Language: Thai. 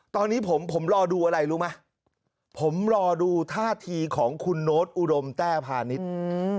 ตอนนี้ผมผมรอดูอะไรรู้ไหมผมรอดูท่าทีของคุณโน๊ตอุดมแต้พาณิชย์